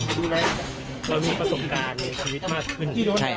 สามารถมีผสมการในชีวิตมากขึ้น